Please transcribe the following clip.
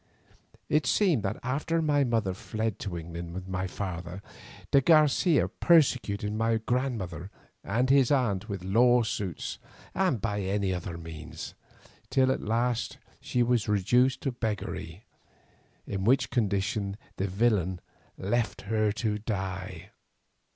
It seemed that after my mother fled to England with my father, de Garcia persecuted my grandmother and his aunt with lawsuits and by other means, till at last she was reduced to beggary, in which condition the villain left her to die.